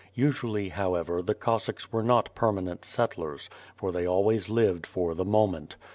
Usually, however, the Cos sacks were not permanent settlers, for they always lived for the moment.